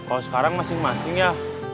kalau sekarang masing masing ya